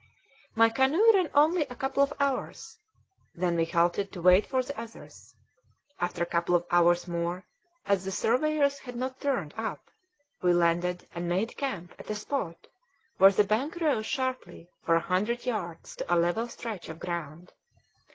My canoe ran only a couple of hours. Then we halted to wait for the others. After a couple of hours more, as the surveyors had not turned up, we landed and made camp at a spot where the bank rose sharply for a hundred yards to a level stretch of ground.